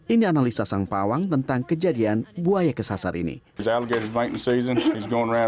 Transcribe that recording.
ini analisa sang pawang tentang kejadian buaya kesasar ini